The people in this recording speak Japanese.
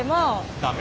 ダメ？